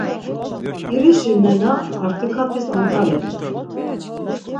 İrişi nena, artikartis ant̆alet̆u.